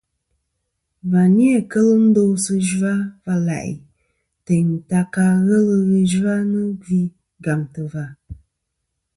Và ni-a kel ndo sɨ zhwa va la'i teyn ta ka ghelɨ ghɨ zhwanɨ gvi gàmtɨ̀ và.